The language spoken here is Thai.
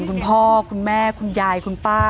คุณพ่อคุณแม่คุณยายคุณป้า